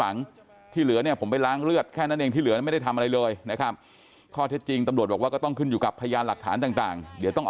เนื่องค่ะตามตำรวจจ๊ะก็ต้องขยายผลต่อ